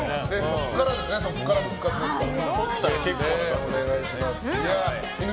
そこから復活ですから。